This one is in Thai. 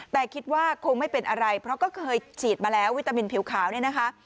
แต่คิดว่าคงไม่เป็นอะไรเพราะก็เคยฉีดมาแล้ววิตามินผิวขาวเนี่ยนะคะ